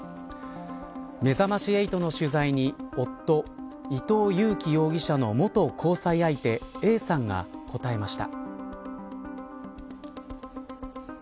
めざまし８の取材に夫、伊藤裕樹容疑者の元交際相手Ａさんが答えました。